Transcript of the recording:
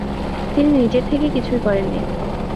তিনি নিজের থেকে কিছুই করেননি।